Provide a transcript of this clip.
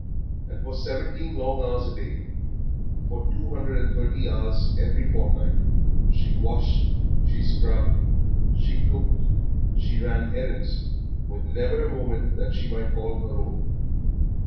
And for seventeen long hours every day, for two hundred and thirty hours every fortnight, she washed, she scrubbed, she cooked, she ran errands, with never a moment that she might call her own.